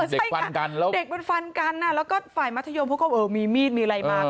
เด็กฟันกันแล้วเด็กมันฟันกันแล้วก็ฝ่ายมัธยมเขาก็เออมีมีดมีอะไรมา